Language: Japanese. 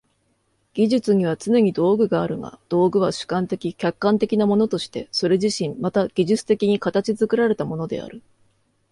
技術にはつねに道具があるが、道具は主観的・客観的なものとしてそれ自身また技術的に形作られたものである。